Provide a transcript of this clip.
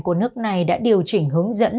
của nước này đã điều chỉnh hướng dẫn